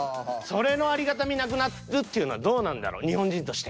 それのありがたみなくなるっていうのはどうなんだろう日本人として。